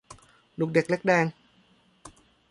ลูกเด็กเล็กแดง